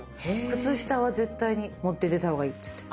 靴下は絶対に持って出た方がいいっつって。